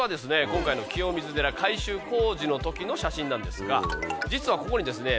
今回の清水寺改修工事の時の写真なんですが実はここにですね